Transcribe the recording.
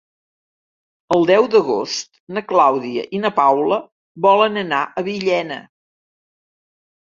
El deu d'agost na Clàudia i na Paula volen anar a Villena.